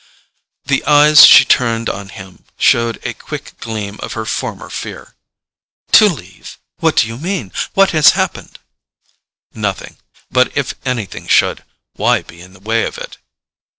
The eyes she turned on him showed a quick gleam of her former fear. "To leave—? What do you mean? What has happened?" "Nothing. But if anything should, why be in the way of it?"